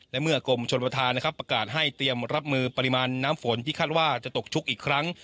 และเมื่อกรมชนประธานนะครับประกาศให้เตรียมรับมือปริมาณน้ำฝนที่คาดว่าจะตกชุกอีกครั้ง